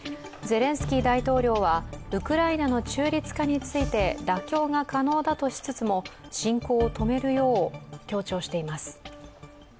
ゼレンスキー大統領はウクライナの中立化について妥協が可能だとしつつも、侵攻を止めるよう強調しています。